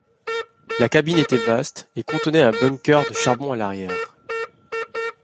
La cabine était vaste et contenait un bunker de charbon à l'arrière.